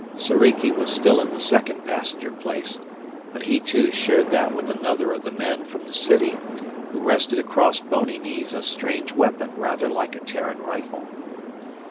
Soriki was still in the second passenger place, but he, too, shared that with another of the men from the city who rested across bony knees a strange weapon rather like a Terran rifle.